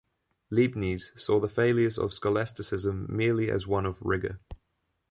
Leibniz saw the failures of scholasticism merely as one of rigor.